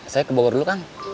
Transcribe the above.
saya ke bogor dulu kan